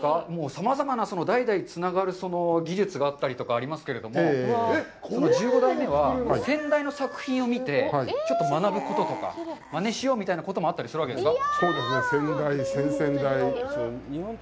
さまざまな代々つながる技術があったりとかありますけれども、１５代目は先代の作品を見てちょっと学ぶこととか、まねしようということもあったりするんですか？